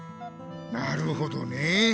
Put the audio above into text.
なるほどねえ。